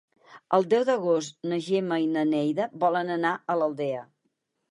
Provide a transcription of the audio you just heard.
El deu d'agost na Gemma i na Neida volen anar a l'Aldea.